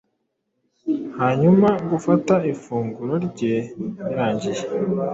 Hanyumagufata ifunguro rye birangiye